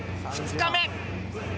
２日目